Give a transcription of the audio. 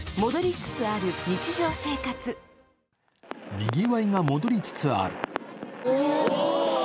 にぎわいが戻りつつある。